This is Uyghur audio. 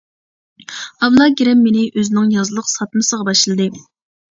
ئابلا كېرەم مېنى ئۆزىنىڭ يازلىق ساتمىسىغا باشلىدى.